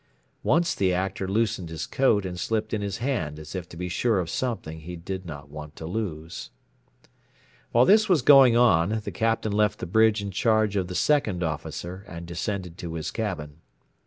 Once the Actor loosened his coat and slipped in his hand as if to be sure of something he did not want to lose. While this was going on the Captain left the bridge in charge of the Second Officer and descended to his cabin.